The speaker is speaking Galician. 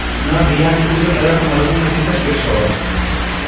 Nós Diario puido falar con algunhas destas persoas.